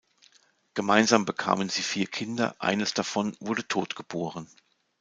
Gemeinsam bekamen sie vier Kinder, eines davon wurde tot geboren.